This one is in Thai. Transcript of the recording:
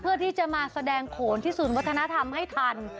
เพื่อที่จะมาแสดงโขนที่ศูนย์วัฒนธรรมให้ทัน